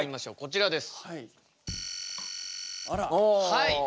はい。